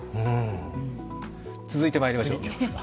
続いてまいりましょう。